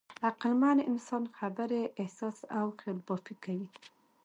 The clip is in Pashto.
عقلمن انسان خبرې، احساس او خیالبافي کوي.